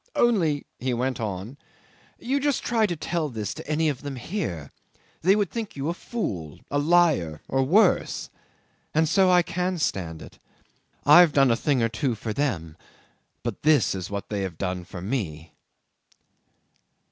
"Only," he went on, "you just try to tell this to any of them here. They would think you a fool, a liar, or worse. And so I can stand it. I've done a thing or two for them, but this is what they have done for me."